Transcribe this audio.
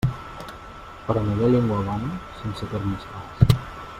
Però no hi ha llengua bona sense termes clars.